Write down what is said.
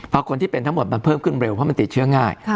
เพราะคนที่เป็นทั้งหมดมันเพิ่มขึ้นเร็วเพราะมันติดเชื้อง่าย